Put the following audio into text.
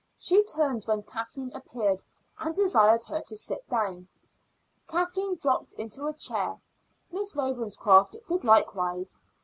She turned when Kathleen appeared, and desired her to sit down. Kathleen dropped into a chair. Miss Ravenscroft did likewise.